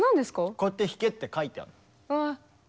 こうやって弾けって書いてある。